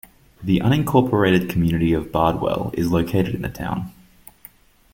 The unincorporated community of Bardwell is located in the town.